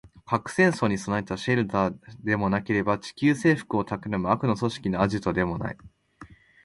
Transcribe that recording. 核戦争に備えたシェルターでもなければ、地球制服を企む悪の組織のアジトでもない